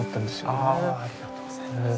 ありがとうございます。